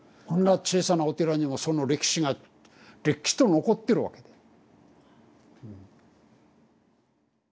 こんな小さなお寺にもその歴史がれっきと残ってるわけだ。